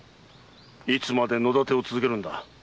いつまで野点を続けるんだ？